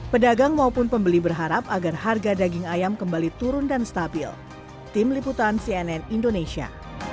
pedagang maupun pembeli berharap agar harga daging ayam kembali turun dan stabil tim liputan cnn indonesia